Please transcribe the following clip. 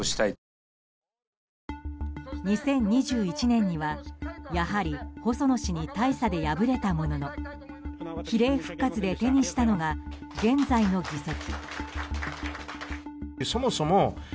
２０２１年にはやはり細野氏に大差で敗れたものの比例復活で手にしたのが現在の議席。